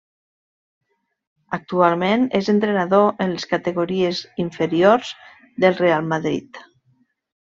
Actualment és entrenador en les categories inferiors del Reial Madrid.